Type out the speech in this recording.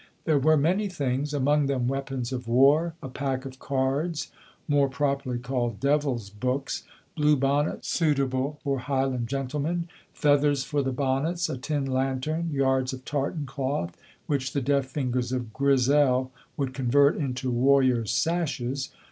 There were many things, among them weapons of war, a pack of cards, more properly called Devil's books, blue bonnets suitable for Highland gentlemen, feathers for the bonnets, a tin lantern, yards of tartan cloth, which the deft fingers of Grizel would convert into warriors' sashes.